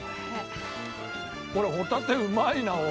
これホタテうまいなおい。